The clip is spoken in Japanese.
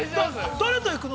◆誰と行くの？